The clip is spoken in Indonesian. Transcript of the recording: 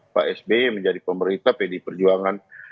pak sby menjadi pemerintah pdi perjuangan